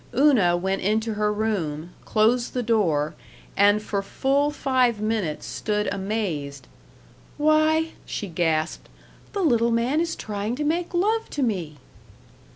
Una went into her room, closed the door, and for full five minutes stood amazed. "Why!" she gasped, "the little man is trying to make love to me!"